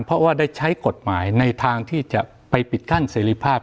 เพราะว่าได้ใช้กฎหมายในทางที่จะไปปิดกั้นเสรีภาพ